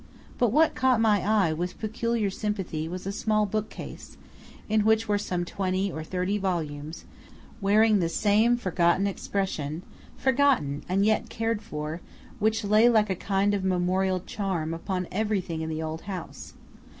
But what caught my eye with peculiar sympathy was a small bookcase, in which were some twenty or thirty volumes, wearing the same forgotten expression forgotten and yet cared for which lay like a kind of memorial charm upon everything in the old house.